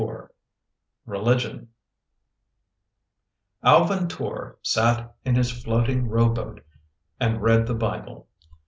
RELIGION ALVIN TOR sat in his floating row boat and read the Bible.